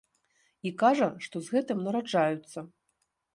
І кажа, што з гэтым нараджаюцца.